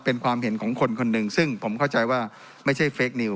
เป็นความเห็นของคนคนหนึ่งซึ่งผมเข้าใจว่าไม่ใช่เฟคนิว